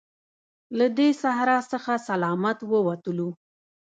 له دې صحرا څخه سلامت ووتلو.